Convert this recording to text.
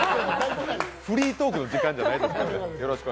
フリートークの時間じゃないです。